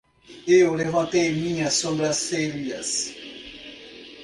Eu levantei minhas sobrancelhas.